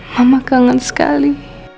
mama kangen sekali